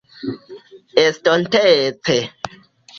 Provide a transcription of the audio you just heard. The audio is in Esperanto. estontece